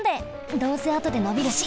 どうせあとでのびるし！